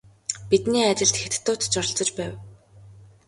Бидний ажилд хятадууд ч оролцож байв.